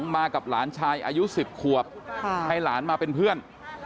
มากับหลานชายอายุ๑๐ขวบให้หลานมาเป็นเพื่อน